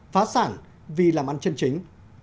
phá sản vì làm ăn chân chính